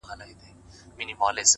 • شمع ده چي مړه سي رڼا نه لري ,